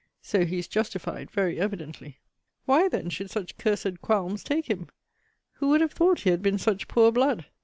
So he is justified very evidently. Why, then, should such cursed qualms take him? Who would have thought he had been such poor blood?